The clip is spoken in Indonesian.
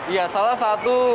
ya salah satu